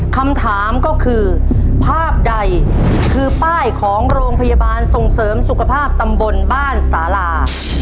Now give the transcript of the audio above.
คำถามก็คือภาพใดคือป้ายของโรงพยาบาลส่งเสริมสุขภาพตำบลบ้านสาลา